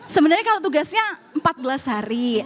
sebenarnya kalau tugasnya empat belas hari